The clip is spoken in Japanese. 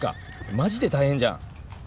マジで大変じゃん。